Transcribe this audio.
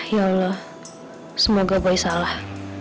ya allah semoga boleh salah